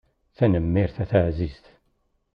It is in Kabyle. Tanemmirt a taɛzizt.